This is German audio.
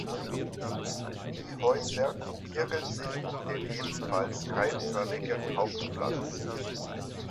Die Häuser gruppieren sich um den ebenfalls keilförmigen Hauptplatz.